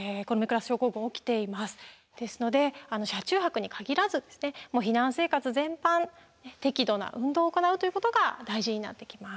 ですので車中泊に限らず避難生活全般適度な運動を行うということが大事になってきます。